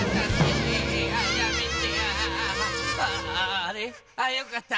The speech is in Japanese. あれ？あよかった。